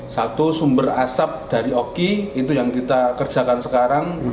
satu sumber asap dari oki itu yang kita kerjakan sekarang